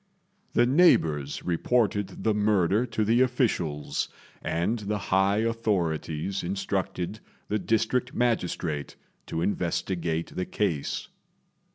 The neighbours reported the murder to the officials, and the high authorities instructed the district magistrate to investigate the case.